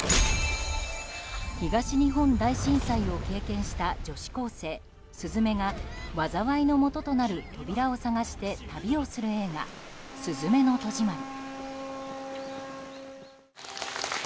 東日本大震災を経験した女子高生、鈴芽が災いのもととなる扉を探して旅をする映画「すずめの戸締まり」。